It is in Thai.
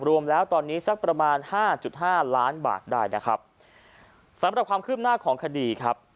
รวมแล้วตอนนี้สักประมาณห้าจุดห้าล้านบาทได้นะครับสำหรับความคืบหน้าของคดีครับ